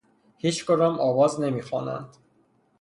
هیچ کدام آواز نمی خوانند.